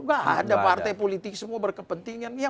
gak ada partai politik semua berkepentingan